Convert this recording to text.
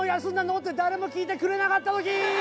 って誰も聞いてくれなかった時。